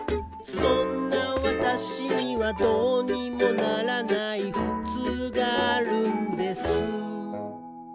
「そんな私には、どうにもならないふつうがあるんです」